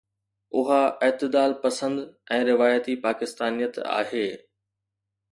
اها اعتدال پسند ۽ روايتي پاڪستانيت آهي.